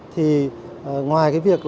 thì ngoài cái việc